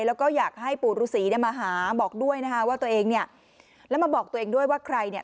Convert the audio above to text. แล้วก็อยากให้ปู่ฤษีเนี่ยมาหาบอกด้วยนะคะว่าตัวเองเนี่ยแล้วมาบอกตัวเองด้วยว่าใครเนี่ย